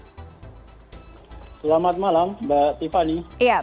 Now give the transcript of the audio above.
selamat malam mbak tiffany